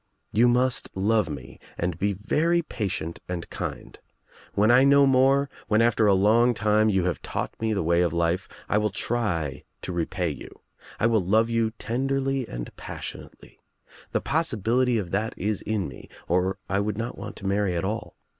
You must I'love me and be very patient and kind. When I know 40 THE TRIUMPH OF THE EGG more, when after a long time you have taught me the way of life, I will try to repay you. I will love you tenderly and passionately. The possibility of that is in me or 1 would not want to marry at all.